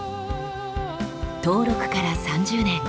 登録から３０年。